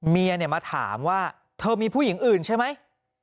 เมียมาถามว่าเธอมีผู้หญิงอื่นใช่ไหม